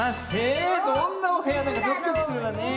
えどんなおへやなのかドキドキするわねえ。